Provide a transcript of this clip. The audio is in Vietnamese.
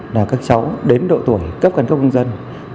là các cháu đến độ tuổi cấp căn cước công dân